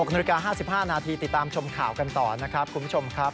๖นาฬิกา๕๕นาทีติดตามชมข่าวกันต่อนะครับคุณผู้ชมครับ